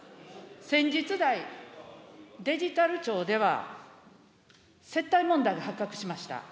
先日来、デジタル庁では接待問題が発覚しました。